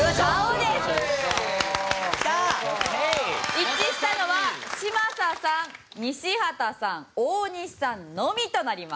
一致したのは嶋佐さん西畑さん大西さんのみとなります。